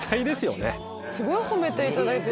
すごい褒めていただいて。